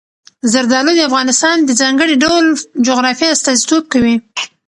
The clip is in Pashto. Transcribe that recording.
زردالو د افغانستان د ځانګړي ډول جغرافیه استازیتوب کوي.